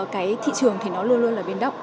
cái thị trường thì nó luôn luôn là biến động